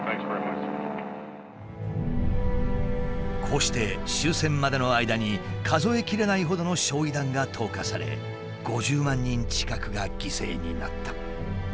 こうして終戦までの間に数え切れないほどの焼夷弾が投下され５０万人近くが犠牲になった。